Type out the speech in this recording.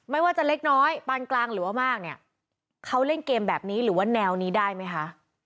ไม่ว่าจะเล็กน้อยปานกลางหรือว่ามากเนี่ยเขาเล่นเกมแบบนี้หรือว่าแนวนี้ได้ไหมคะ